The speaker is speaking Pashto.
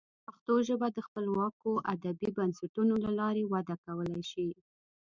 پښتو ژبه د خپلواکو ادبي بنسټونو له لارې وده کولی شي.